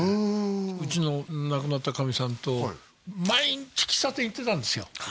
うちの亡くなったかみさんと毎日喫茶店行ってたんですよ